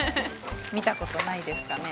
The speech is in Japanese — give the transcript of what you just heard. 見たことないですかね？